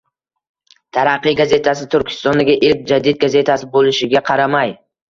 “Taraqqiy” gazetasi Turkistondagi ilk jadid gazetasi bo'lishiga qaramay